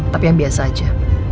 tapi yang biasa aja